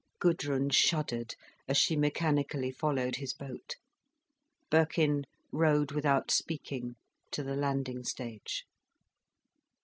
Gudrun shuddered as she mechanically followed his boat. Birkin rowed without speaking to the landing stage.